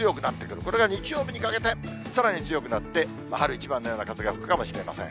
これが日曜日にかけて、さらに強くなって、春一番のような風が吹くかもしれません。